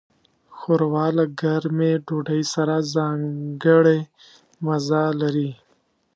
ښوروا له ګرمې ډوډۍ سره ځانګړی مزه لري.